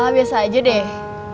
biasa aja deh